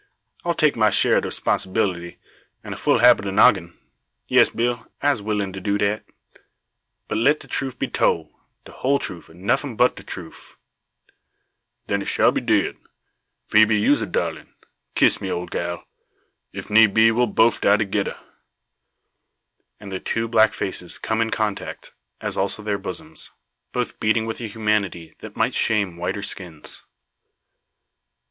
I'll take my share ob de 'sponsibility, an a full half ob de noggin'. Yes, Bill, I'se willin' to do dat. But let de troof be tole de whole troof, an' nuffin but de troof." "Den it shall be did. Phoebe, you's a darlin'. Kiss me, ole gal. If need be, we'll boaf die togedder." And their two black faces come in contact, as also their bosoms; both beating with a humanity that might shame whiter skins.